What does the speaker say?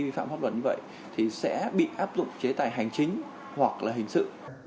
vì pháp luật như vậy thì sẽ bị áp dụng chế tài hành chính hoặc là hình sự